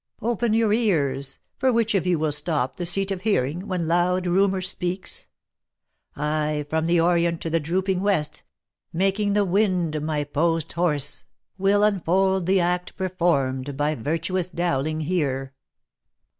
" Open your ears ! For which of you will stop The seat of hearing, when loud rumour speaks 1 I, from the orient to the drooping west, Making the wind my post horse, will unfold The act performed by virtuous Dowling here.